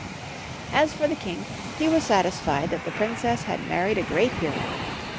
As for the king, he was satisfied that the princess had married a great hero.